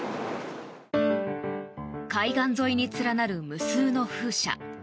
海岸沿いに連なる無数の風車。